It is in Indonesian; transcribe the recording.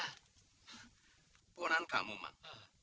keponan kamu mang